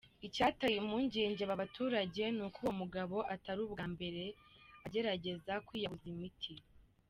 Icyateye impungenge aba baturage ni uko uwo mugabo atari ubwa mbere agerageza kwiyahuza imiti.